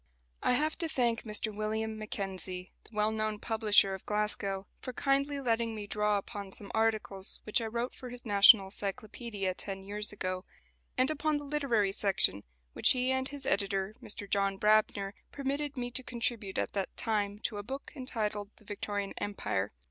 I have to thank Mr William Mackenzie, the well known publisher of Glasgow, for kindly letting me draw upon some articles which I wrote for his "National Cyclopædia" ten years ago, and upon the literary section, which he and his editor, Mr John Brabner, permitted me to contribute at that time to a book entitled "The Victorian Empire."